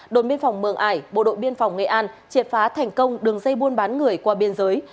đồn biên phòng mường ải bộ đội biên phòng nghệ an triệt phá thành công đường dây buôn bán người qua biên giới